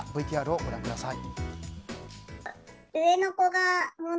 ＶＴＲをご覧ください。